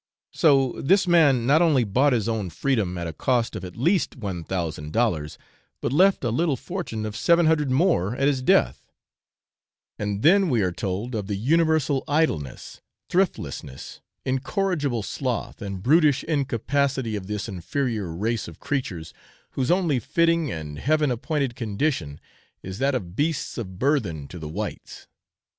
So this man not only bought his own freedom at a cost of at least 1,000 dollars, but left a little fortune of 700 more at his death: and then we are told of the universal idleness, thriftlessness, incorrigible sloth, and brutish incapacity of this inferior race of creatures, whose only fitting and Heaven appointed condition is that of beasts of burthen to the whites.